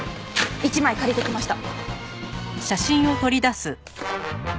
一枚借りてきました。